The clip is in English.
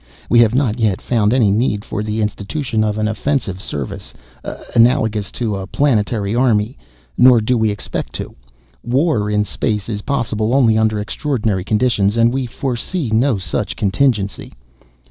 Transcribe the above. We have not yet found any need for the institution of an offensive service analogous to a planetary army, nor do we expect to. War in space is possible only under extraordinary conditions, and we foresee no such contingency.